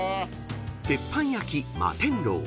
［「鉄板焼摩天楼」］